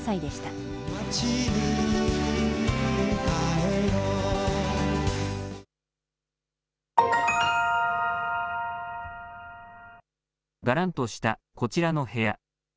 がらんとしたこちらの部屋。